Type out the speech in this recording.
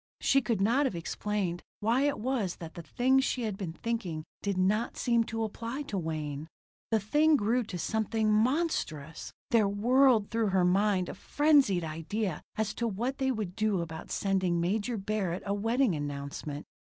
She could not have explained why it was that the things she had been thinking did not seem to apply to Wayne. The thing grew to something monstrous. There whirled through her mind a frenzied idea as to what they would do about sending Major Barrett a wedding announcement.